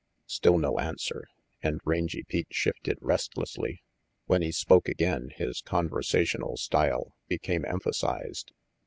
Still no answer, and Rangy Pete shifted restlessly. When he spoke again, his conversational style became emphasized.